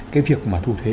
cái việc mà thu thuế